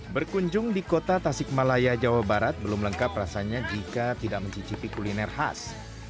berkunjung di kota tasik malaya jawa barat belum lengkap rasanya jika tidak mencicipi kuliner khas